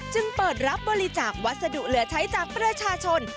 จึงเปิดรับบริจาควัสดุเหลือใช้จากประชาชน